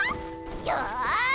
よし！